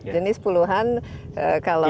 jenis puluhan kalau